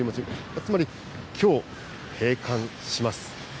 つまり、きょう、閉館します。